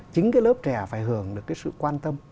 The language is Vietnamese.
chính cái lớp trẻ phải hưởng được cái sự quan tâm